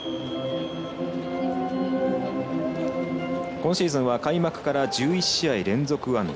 今シーズンは開幕から１１試合連続安打。